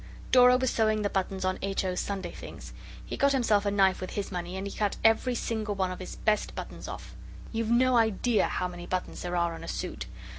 Dora was sewing the buttons on H. O.'s Sunday things. He got himself a knife with his money, and he cut every single one of his best buttons off. You've no idea how many buttons there are on a suit.